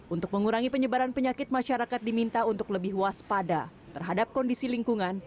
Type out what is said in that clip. untuk mengurangi penyebaran penyakit masyarakat diminta untuk lebih waspada terhadap kondisi lingkungan